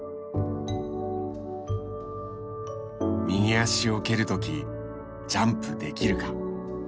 「右足をけるときジャンプできるか？」。